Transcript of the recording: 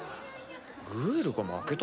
グエルが負けた？